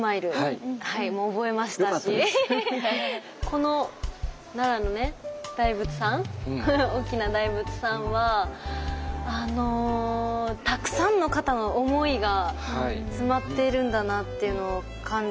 この奈良のね大仏さん大きな大仏さんはたくさんの方の思いが詰まっているんだなっていうのを感じました。